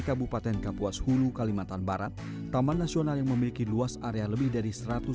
kabupaten kapuas hulu kalimantan barat taman nasional yang memiliki luas area lebih dari